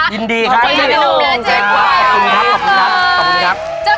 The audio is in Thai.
ยินดีค่ะขอบคุณครับ